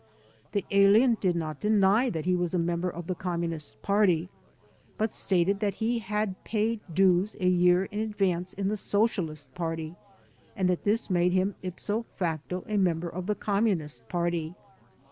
The alien did not deny that he was a member of the Communist Party but stated that he had paid dues a year in advance in the Socialist Party and that this made him, ipso facto, a member of the Communist Party.